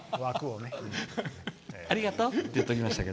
「ありがとう」って言っておきました。